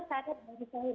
saatnya berbuka sayur